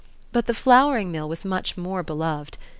But the flouring mill was much more beloved.